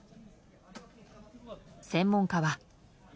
専門家は。